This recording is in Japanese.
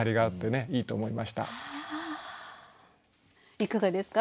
いかがですか？